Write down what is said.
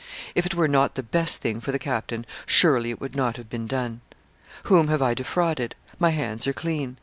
If it were not the best thing for the captain, surely it would not have been done. Whom have I defrauded? My hands are clean!